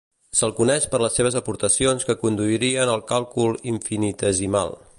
Se'l coneix per les seves aportacions que conduirien al càlcul infinitesimal.